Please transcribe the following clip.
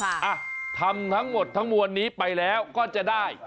อ่ะทำทั้งหมดทั้งมวลนี้ไปแล้วก็จะได้